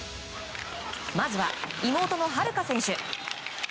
まずは妹の秦留可選手。